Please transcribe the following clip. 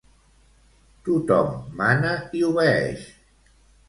Tothom mana i obeeix.